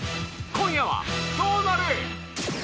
今夜はどうなる？